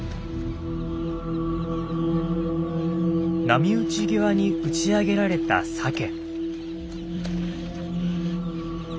波打ち際に打ち上げられたサケ。